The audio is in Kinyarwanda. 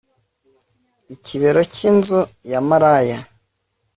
ikibero cyinzu ya maraya